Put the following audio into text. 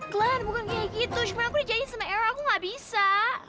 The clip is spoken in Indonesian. glenn bukan kayak gitu cuma aku udah jenis sama era aku gak bisa